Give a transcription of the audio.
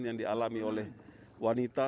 yang dialami oleh wanita